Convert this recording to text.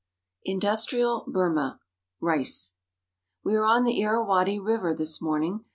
INDUSTRIAL BURMA. RICE WE are on the Irawadi River this morning.